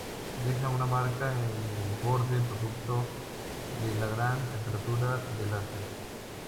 Deja una marca en el borde producto de la gran temperatura del láser.